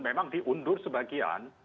memang diundur sebagian